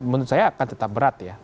menurut saya akan tetap berat ya